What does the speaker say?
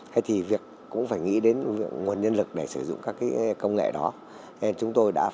hay thì việc cũng phải nghĩ đến nguồn nhân lực để sử dụng các công nghệ đó